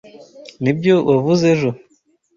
Nibyo wavuze ejo.